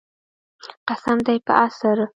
قسم دی په عصر.